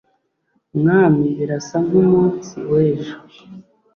mwami birasa nk'umunsi wejo